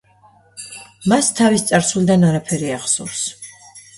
მას თავის წარსულიდან არაფერი ახსოვს.